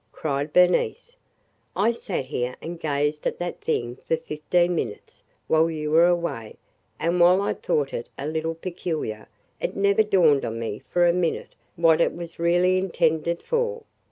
cried Bernice. "I sat here and gazed at that thing for fifteen minutes, while you were away, and while I thought it a little peculiar, it never dawned on me for a minute what it was really intended for.